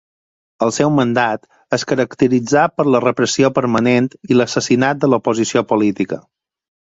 El seu mandat es caracteritzà per la repressió permanent i l'assassinat de l'oposició política.